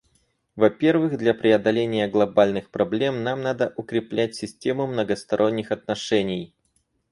Во-первых, для преодоления глобальных проблем нам надо укреплять систему многосторонних отношений.